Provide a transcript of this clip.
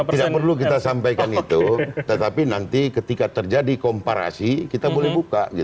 tidak perlu kita sampaikan itu tetapi nanti ketika terjadi komparasi kita boleh buka